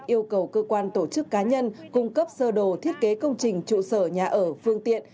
yêu cầu cơ quan tổ chức cá nhân cung cấp sơ đồ thiết kế công trình trụ sở nhà ở phương tiện